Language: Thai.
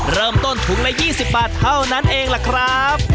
เริ่มต้นถุงละ๒๐บาทเท่านั้นเองล่ะครับ